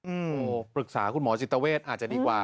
โอ้โหปรึกษาคุณหมอจิตเวทอาจจะดีกว่า